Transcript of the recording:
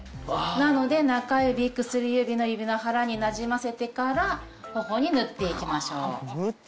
なので中指薬指の指の腹になじませてから頬に塗っていきましょう。